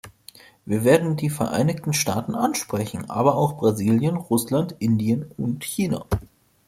Wir werden die Vereinigten Staaten ansprechen, aber auch Brasilien, Russland, Indien und China.